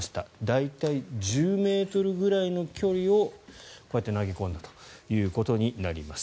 大体１０ｍぐらいの距離をこうやって投げ込んだということになります。